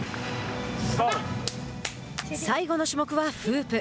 最後の種目はフープ。